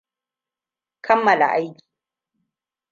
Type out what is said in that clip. Kammala aiki.